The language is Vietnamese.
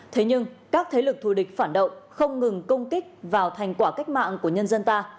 thế nhưng các thế lực thù địch phản động không ngừng công kích vào thành quả cách mạng của nhân dân ta